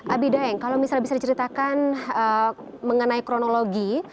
abidaheng kalau misalnya bisa diceritakan mengenai kronologi